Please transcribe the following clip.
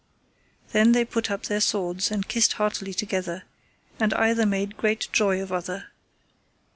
Then they put up their swords, and kissed heartily together, and either made great joy of other.